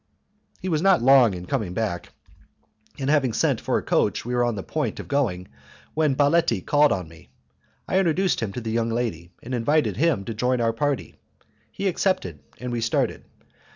He was not long in coming back, and having sent for a coach we were on the point of going, when Baletti called on me. I introduced him to the young lady, and invited him to join our party. He accepted, and we started.